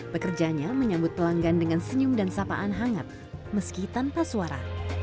pekerjanya menyambut pelanggan dengan senyum dan sapaan hangat meski tanpa suara